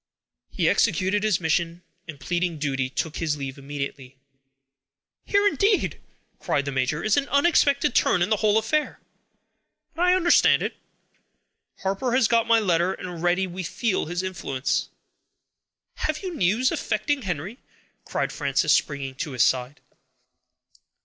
He executed his mission, and, pleading duty, took his leave immediately. "Here, indeed!" cried the major, "is an unexpected turn in the whole affair; but I understand it: Harper has got my letter, and already we feel his influence." "Have you news affecting Henry?" cried Frances, springing to his side.